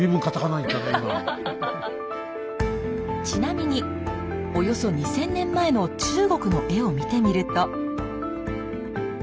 ちなみにおよそ２，０００年前の中国の絵を見てみると。